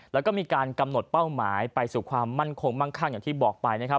แล้วก็มีการกำหนดเป้าหมายไปสู่ความมั่นคงมั่งคั่งอย่างที่บอกไปนะครับ